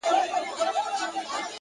هوډ د وېرې بندونه ماتوي!